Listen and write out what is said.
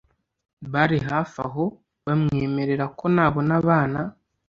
bari hafi aho bamwemerera ko nabona abana